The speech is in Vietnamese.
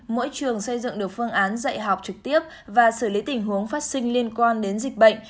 mỗi trường xây dựng được phương án dạy học trực tiếp và xử lý tình huống phát sinh liên quan đến dịch bệnh